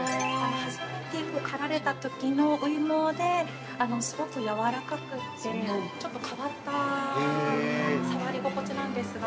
◆初めて刈られたときの初毛で、すごくやわらかくてちょっと変わったさわり心地なんですが。